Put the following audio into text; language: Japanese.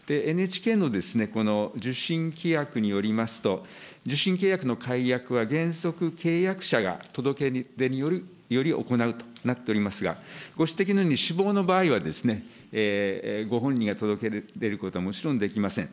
ＮＨＫのこの受信規約によりますと、受信契約の解約は、原則、契約者が届け出により行うとなっておりますが、ご指摘のように、死亡の場合はですね、ご本人が届け出ること、もちろんできません。